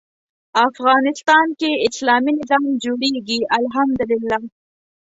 افغانستان کې اسلامي نظام جوړېږي الحمد لله.